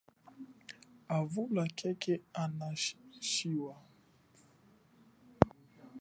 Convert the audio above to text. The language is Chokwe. Avila khekhe ana a shiwa.